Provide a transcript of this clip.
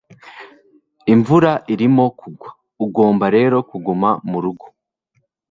imvura irimo kugwa, ugomba rero kuguma murugo